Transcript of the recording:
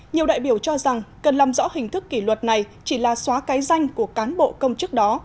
nhiều đại biểu cho rằng cần làm rõ hình thức kỷ luật này chỉ là xóa cái danh của cán bộ công chức đó